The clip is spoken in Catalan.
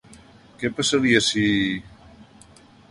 Què passaria si...?